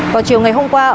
vào chiều ngày hôm qua